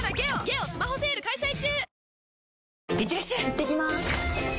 いってきます！